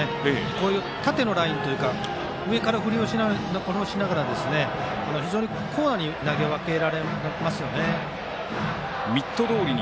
こういう縦のラインというか上から振り下ろしながら非常にコーナーに投げ分けられますね。